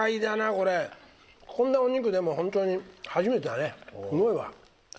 こんなお肉でもホントに初めてだねすごいわ。